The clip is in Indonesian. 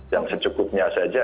jangan secukupnya saja